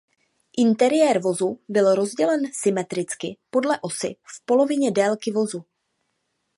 Interiér vozu byl rozdělen symetricky podle osy v polovině délky vozu.